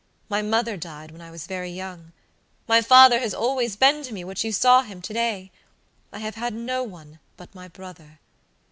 My mother died when I was very young. My father has always been to me what you saw him to day. I have had no one but my brother.